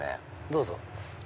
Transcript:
どうぞ。